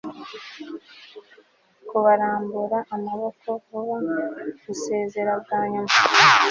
kubarambura amaboko, vuga gusezera bwa nyuma